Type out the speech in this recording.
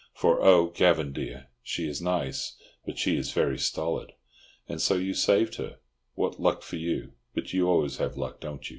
For oh, Gavan dear, she is nice, but she is very stolid! And so you saved her—what luck for you! But you always have luck, don't you?